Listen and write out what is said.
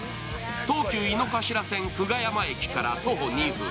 東急井の頭線・久我山駅から徒歩２分。